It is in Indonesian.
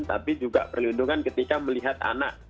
tapi juga perlindungan ketika melihat anak